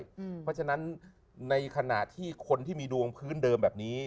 เพราะฉะนั้นในขณะที่คนที่มีดวงพื้นเดิมแบบนี้